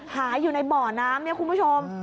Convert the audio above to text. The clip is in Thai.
หาอยู่ในบ่อน้ำเนี่ยคุณผู้ชม